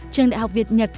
trường đại học việt nhật